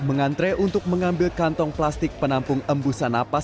mengantre untuk mengambil kantong plastik penampung embusan napas